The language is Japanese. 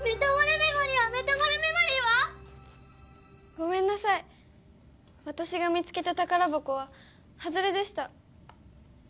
ごめんなさい私が見つけた宝箱はハズレでした。